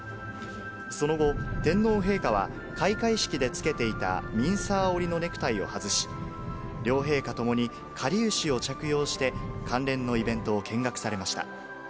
その後、天皇陛下は開会式でつけていたミンサー織りのネクタイを外し、両陛下共にかりゆしを着用して、関連のイベントを見学されました。